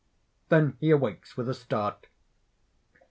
_ _Then he awakes with a start.